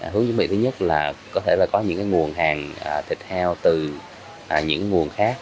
hướng chuẩn bị thứ nhất là có thể là có những nguồn hàng thịt heo từ những nguồn khác